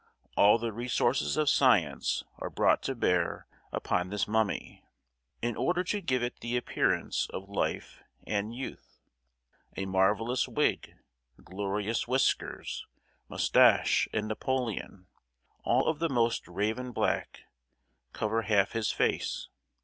All the resources of science are brought to bear upon this mummy, in order to give it the appearance of life and youth. A marvellous wig, glorious whiskers, moustache and napoleon—all of the most raven black—cover half his face.